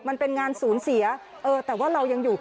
มันเป็นงานศูนย์เสียเออแต่ว่าเรายังอยู่